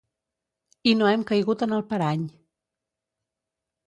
I no hem caigut en el parany.